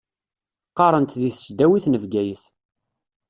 Qqaṛent di tesdawit n Bgayet.